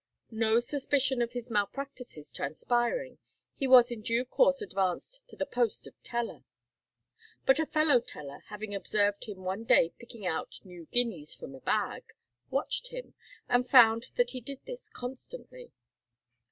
No suspicion of his malpractices transpiring, he was in due course advanced to the post of teller. But a fellow teller having observed him one day picking out new guineas from a bag, watched him, and found that he did this constantly.